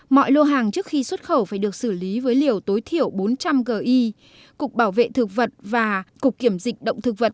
mọi lô hàng trước khi xuất khẩu phải được xử lý với liều tối thiểu bốn trăm linh g cục bảo vệ thực vật và cục kiểm dịch động thực vật